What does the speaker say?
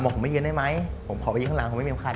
ผมบอกผมไปยืนได้ไหมผมขอไปยืนข้างหลังผมไม่มีเข็มขัด